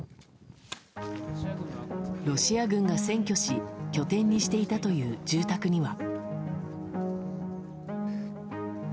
ロシア軍が占拠し拠点にしていたという住宅には。